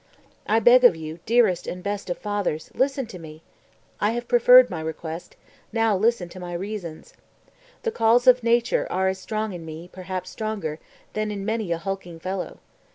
I beg of you, dearest and best of fathers, listen to me! I have preferred my request, now listen to my reasons. The calls of nature are as strong in me, perhaps stronger, than in many a hulking fellow.